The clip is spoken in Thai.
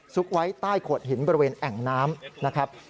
ซุกไว้ใต้ขวดหินบริเวณแอ่งน้ำ